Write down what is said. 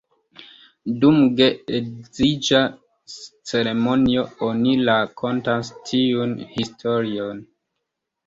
Dum geedziĝa ceremonio, oni rakontas tiun historion.